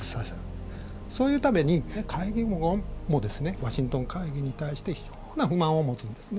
そのために海軍はワシントン会議に対して非常な不満を持つんですね。